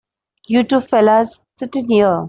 You two fellas sit in here.